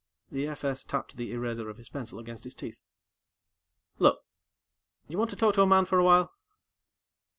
The FS tapped the eraser of his pencil against his teeth. "Look you want to talk to a man for a while?"